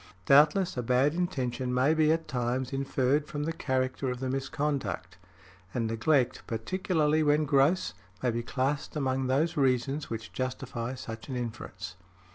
Doubtless, a bad intention may be at times inferred from the character of the misconduct; and neglect, particularly when gross, may be classed among those reasons which justify such an inference .